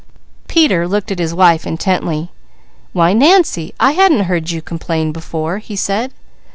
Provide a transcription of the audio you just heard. Peter looked at his wife intently. "Why Nancy, I hadn't heard you complain before!" he said.